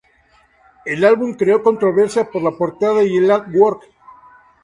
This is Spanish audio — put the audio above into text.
El álbum creó controversia por la portada y el "artwork".